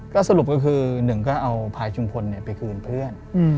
ก็สรุปก็คือหนึ่งก็เอาพายชุมพลไปคืนเพื่อน